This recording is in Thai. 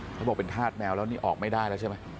เขาบอกเป็นธาตุแมวแล้วนี่ออกไม่ได้ทำไม